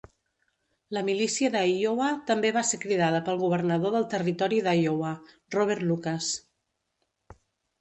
La milícia de Iowa també va ser cridada pel governador del territori d'Iowa, Robert Lucas.